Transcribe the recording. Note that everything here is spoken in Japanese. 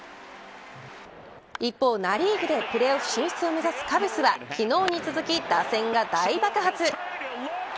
一方、ナ・リーグでプレーオフ進出を目指すカブスは昨日に続き打線が大爆発。